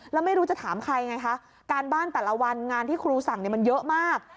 แล้วไม่รู้จะถามใครไงคะการบ้านแต่ละวันงานที่ครูสั่งมันเยอะมาก